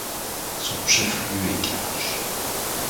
Son chef-lieu est Carache.